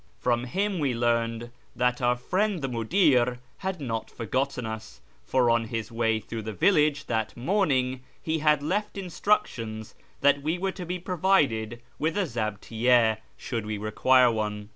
From him we learned that our friend the mudir had not forgotten us, for on his way through the village that morning he had left instructions that we were to be provided with a zahtvjye, should we require one.